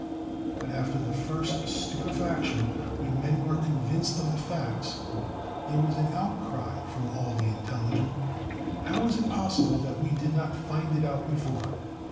But after the first stupefaction, when men were convinced of the facts, there was an outcry from all the intelligent: How was it possible that we did not find it out before?